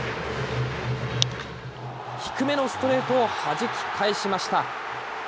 低めのストレートをはじき返しました。